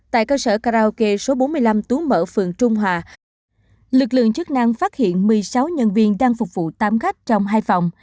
tại cơ sở karaoke số bốn mươi năm tú mở phường trung hòa lực lượng chức năng phát hiện một mươi sáu nhân viên đang phục vụ tám khách trong hai phòng